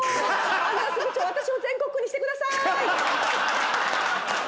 アナウンス部長私を全国区にしてください。